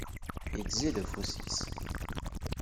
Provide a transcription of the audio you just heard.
yettzid ufus-is.